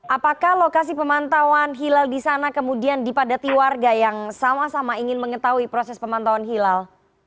apakah lokasi pemantauan hilal di sana kemudian dipadati warga yang sama sama ingin mengetahui proses pemantauan hilal